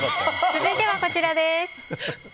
続いてはこちらです。